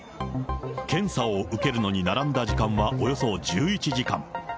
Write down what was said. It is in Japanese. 検査を受けるのに並んだ時間はおよそ１１時間。